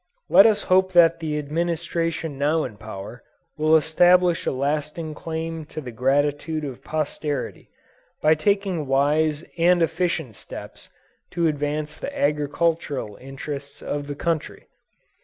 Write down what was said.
Let us hope that the Administration now in power, will establish a lasting claim to the gratitude of posterity, by taking wise and efficient steps to advance the agricultural interests of the country.